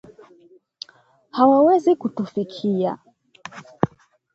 hawawezi kutufikia